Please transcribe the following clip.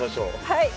はい。